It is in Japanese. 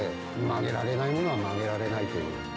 曲げられないものは曲げられないという。